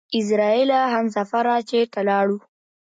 اعزرائيله همسفره چېرته لاړو؟!